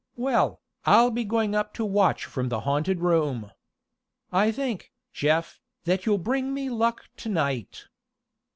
Well, I'll be going up to watch from the haunted room. I think, Jeff, that you'll bring me luck to night."